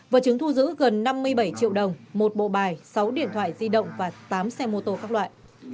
vật chứng thu giữ gần năm mươi bảy triệu đồng một bộ bài sáu điện thoại di động và tám xe mô tô các loại